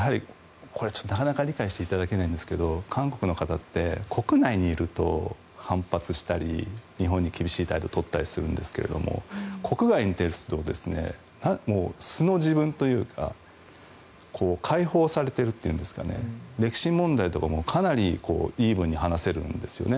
なかなか理解していただけないんですが韓国の方って国内にいると反発したり日本に厳しい態度を取ったりするんですが国外に出ると素の自分というか解放されているというんですか歴史問題とかもかなりイーブンに話せるんですよね。